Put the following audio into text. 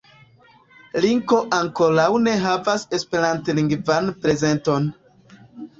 Linko ankoraŭ ne havas esperantlingvan prezenton.